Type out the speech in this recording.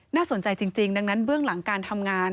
น่าสนใจจริงดังนั้นเบื้องหลังการทำงาน